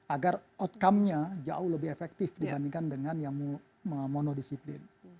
agar outcome nya jauh lebih efektif dibandingkan dengan yang monodisiplin